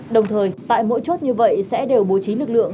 đồng thời tại mỗi chốt như vậy sẽ đều bố trí lực lượng